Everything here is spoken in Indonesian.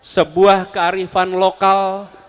sebuah kearifan lokal